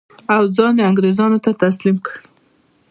او ځان یې انګرېزانو ته تسلیم کړ.